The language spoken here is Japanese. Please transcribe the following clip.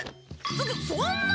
そそそんな！